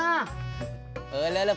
di al than whoa